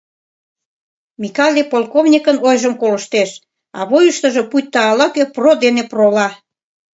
Микале полковникын ойжым колыштеш, а вуйыштыжо пуйто ала-кӧ про дене прола.